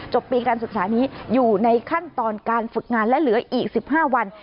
ปีการศึกษานี้อยู่ในขั้นตอนการฝึกงานและเหลืออีก๑๕วัน